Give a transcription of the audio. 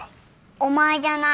「お前」じゃない。